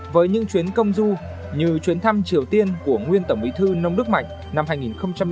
với những chuyến công du như chuyến thăm triều tiên của nguyên tổng bí thư nông đức mạnh năm hai nghìn